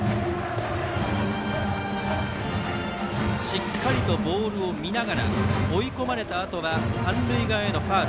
しっかりとボールを見ながら追い込まれたあとは三塁側へのファウル。